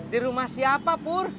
di rumah siapa pur